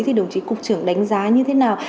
thì đồng chí cục trưởng đánh giá như thế nào